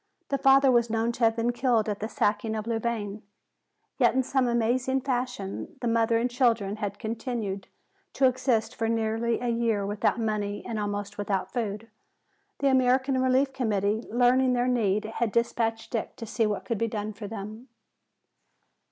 The father was known to have been killed at the sacking of Louvain. Yet in some amazing fashion the mother and children had continued to exist for nearly a year without money and almost without food. The American Relief Committee, learning their need, had despatched Dick to see what could be done for them.